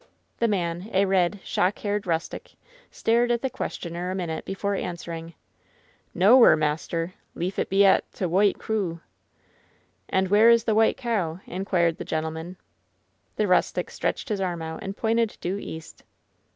The man, a red, shock haired rustic, stared at the questioner a minute before answering. "Noa whurr, maister, leaf it be at t' Whoit Coo.'' "And where is the White Cow ?" inquired the gentle man. The rustic stretched his arm out and pointed due east.